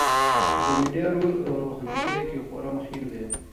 د میډیا رول په روښانفکرۍ کې خورا مهم دی.